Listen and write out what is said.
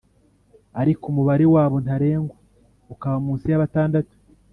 ariko umubare wabo ntarengwa ukaba munsi ya y’abatandatu